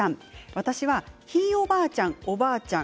私はひいおばあちゃんおばあちゃん